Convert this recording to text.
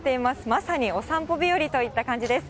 まさにお散歩日和といった感じです。